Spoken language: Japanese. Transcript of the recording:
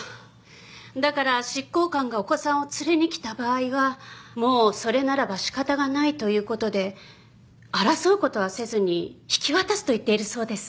だから執行官がお子さんを連れに来た場合はもうそれならば仕方がないという事で争う事はせずに引き渡すと言っているそうです。